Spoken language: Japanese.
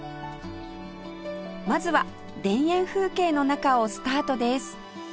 まずは田園風景の中をスタートです